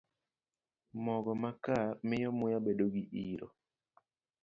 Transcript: Mogo makaa miyo muya bedo gi iro.